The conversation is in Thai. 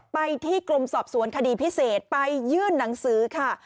ไปที่กรมสอบสวนคดีพิเศษไปยื่นหนังสือค่ะ